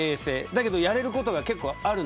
だけど、やれることが結構ある。